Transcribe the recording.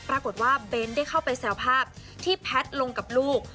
ปรากฏว่าเบ้นได้เข้าไปแซวภาพที่แพทย์ลงกับลูก